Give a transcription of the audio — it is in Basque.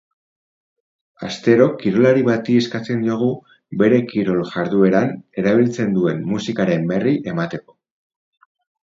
Astero kirolari bati eskatzen diogu bere kirol jardueran erabiltzen duen musikaren berri emateko.